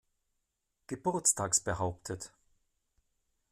Geburtstags behauptet.